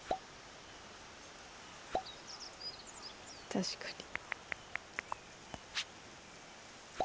確かに。